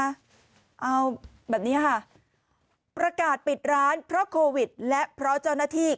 เอาแบบนี้ค่ะประกาศปิดร้านเพราะโควิดและเพราะเจ้าหน้าที่